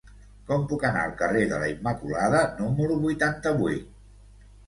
Com puc anar al carrer de la Immaculada número vuitanta-vuit?